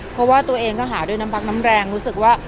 เพราะว่าตัวเองก็หาด้วยน้ำพักน้ำแรงรู้สึกว่า